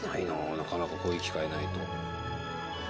なかなかこういう機会ないと。